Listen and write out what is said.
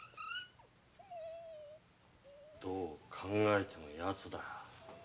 どう考えてもヤツだ。